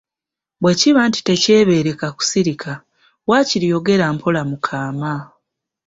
"Bwe kiba nti tekyebeereka kusirika, waakiri yogera mpola mu kaama."